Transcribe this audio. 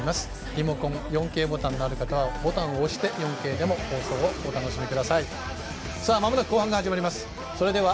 リモコン、４Ｋボタンがある方はボタンを押して、４Ｋでも放送をお楽しみください。